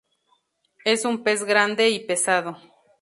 Es un pez grande y pesado.